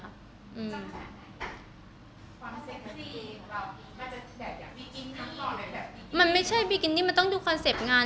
ความเซ็คที่ของเรามันจะแสดงอย่างมันไม่ใช่มันต้องดูคอนเซ็ปต์งาน